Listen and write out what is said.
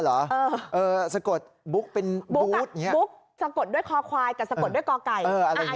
เหรอเออสะกดบุ๊กเป็นบุ๊กบุ๊กสะกดด้วยคอควายกับสะกดด้วยกอไก่